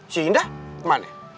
si indah gimana